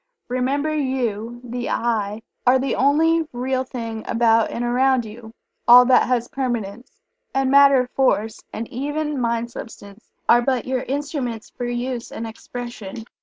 Remember, You the "I" are the only Real thing about and around you all that has permanence and Matter, Force and even Mind substance, are but your instruments for use and expression.